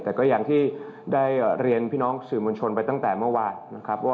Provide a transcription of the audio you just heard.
แต่อย่างที่ได้เรียนพี่น้องสื่อมวชนไปตั้งแต่เมื่อวาน